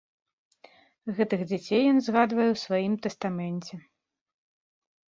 Гэтых дзяцей ён згадвае ў сваім тастаменце.